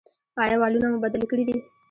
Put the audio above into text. ایا والونه مو بدل کړي دي؟